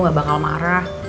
gak bakal marah